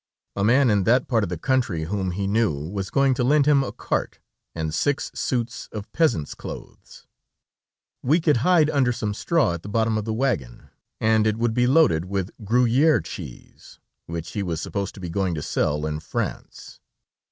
A man in that part of the country, whom he knew, was going to lend him a cart, and six suits of peasants' clothes. We could hide under some straw at the bottom of the wagon, and it would be loaded with Gruyère cheese, which he was supposed to be going to sell in France.